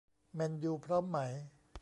แมนยู พร้อมไหม